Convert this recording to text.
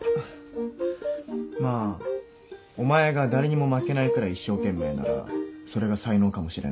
まあお前が誰にも負けないくらい一生懸命ならそれが才能かもしれないな。